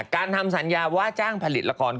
การทำสัญญาว่าจ้างผลิตละคร